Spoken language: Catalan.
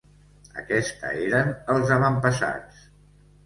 Aquesta eren els avantpassats.